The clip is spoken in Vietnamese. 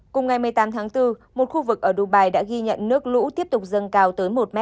cùng ngày một mươi tám tháng bốn một khu vực ở dubai đã ghi nhận nước lũ tiếp tục dâng cao tới một m